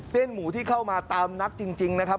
เตี้ยนหมู่ที่เข้ามาตามนักจริงนะครับ